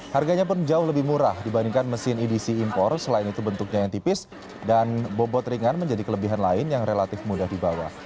harganya pun jauh lebih murah dibandingkan mesin edc impor selain itu bentuknya yang tipis dan bobot ringan menjadi kelebihan lain yang relatif mudah dibawa